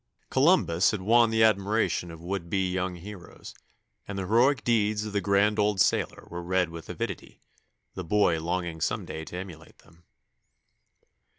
Columbus had won the admiration of would be young heroes, and the heroic deeds of the grand old sailor were read with avidity, the boy longing some day to emulate them.